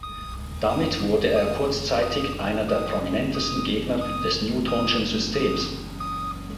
Damit wurde er kurzzeitig einer der prominentesten Gegner des Newtonschen Systems.